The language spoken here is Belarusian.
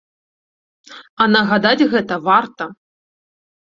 А нагадаць гэта варта.